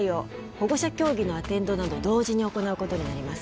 保護者競技のアテンドなど同時に行うことになります